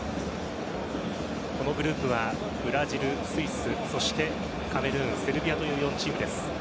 このグループはブラジル、スイスそしてカメルーンセルビアという４チームです。